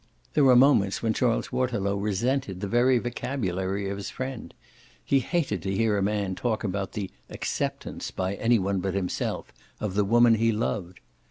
There were moments when Charles Waterlow resented the very vocabulary of his friend; he hated to hear a man talk about the "acceptance" by any one but himself of the woman he loved.